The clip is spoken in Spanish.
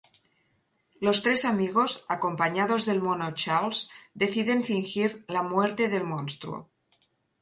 Los tres amigos, acompañados del mono Charles, deciden fingir la muerte del monstruo.